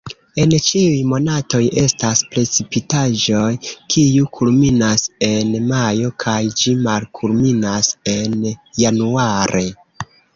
En ĉiuj monatoj estas precipitaĵoj, kiu kulminas en majo kaj ĝi malkulminas en januare.